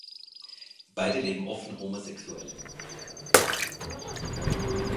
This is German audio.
Beide leben offen homosexuell.